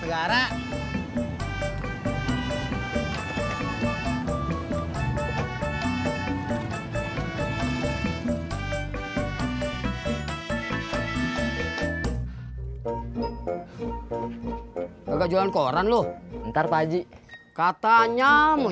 enggak jualan koran loh ntar pajik katanya mua